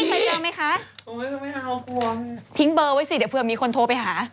แองจี้เคยเจอไหมคะทิ้งเบอร์ไว้สิเดี๋ยวเพื่อนมีคนโทรไปหา